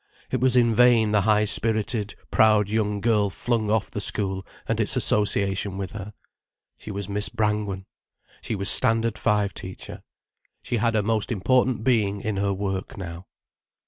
It was in vain the high spirited, proud young girl flung off the school and its association with her. She was Miss Brangwen, she was Standard Five teacher, she had her most important being in her work now.